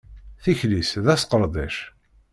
Tikli-s d asqeṛdec.